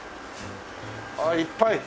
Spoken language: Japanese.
ああいっぱい。